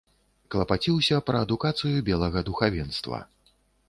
Клапаціўся пра адукацыю белага духавенства.